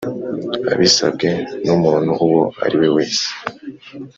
Abisabwe n umuntu uwo ari we wese